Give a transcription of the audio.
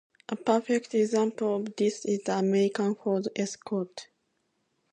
A perfect example of this is the American Ford Escort.